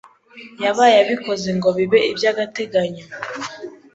yabaye abikoze ngo bibe i by'agateganyo